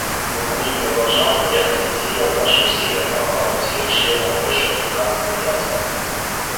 Мы будем продолжать и активизировать наши усилия по охвату всех членов большой африканской диаспоры.